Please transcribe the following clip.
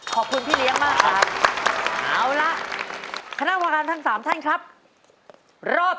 ขอบคุณพี่เลี้ยงมากครับ